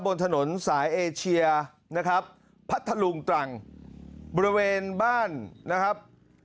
บนถนนสายเอเชียนะครับพัทธลุงตรังบริเวณบ้านนะครับ